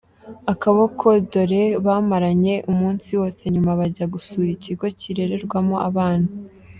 akaboko dore bamaranye umunsi wose nyuma bajya gusura ikigo kirererwamo abana.